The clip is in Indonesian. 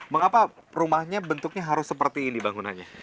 mengapa rumahnya bentuknya harus seperti ini bangunannya